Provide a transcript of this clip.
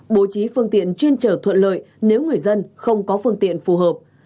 bố trí phương tiện chuyên trở thuận lợi nếu người dân không có phương tiện phù hợp